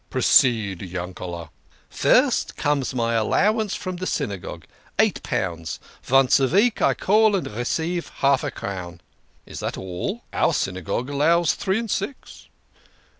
Proceed, YankeleV' "First comes my allowance from de Synagogue eight pounds. Vonce a veek I call and receive half a crown." " Is that all? Our Synagogue allows three and six."